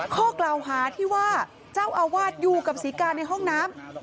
ข้อกล่าวหาที่ว่าเจ้าอาวาสอยู่กับศรีกาในห้องน้ำ